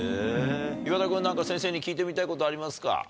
岩田君何か先生に聞いてみたいことありますか？